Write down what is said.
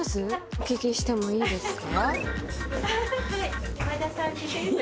お聞きしてもいいですか？